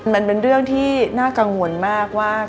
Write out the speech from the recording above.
มันเป็นเรื่องที่น่ากังวลมากว่า